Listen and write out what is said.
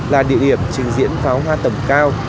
là địa điểm trình diễn pháo hoa tầm cao